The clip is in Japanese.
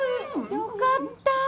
よかった。